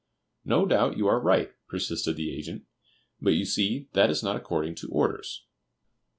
"No doubt you are right," persisted the agent; "but you see that is not according to orders."